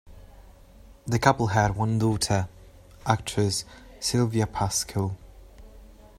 The couple had one daughter, actress Sylvia Pasquel.